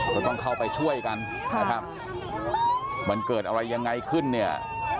ก็ต้องเข้าไปช่วยกันนะครับมันเกิดอะไรยังไงขึ้นเนี่ย